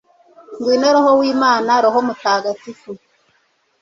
ngwino roho w'imana, roho mutagatifu